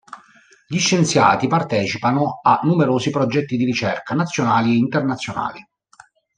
Gli scienziati partecipano a numerosi progetti di ricerca nazionali e internazionali.